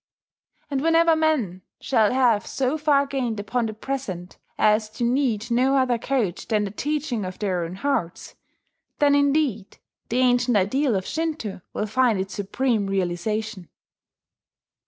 And whenever men shall have so far gained upon the present as to need no other code than the teaching of their own hearts, then indeed the ancient ideal of Shinto will find its supreme realization.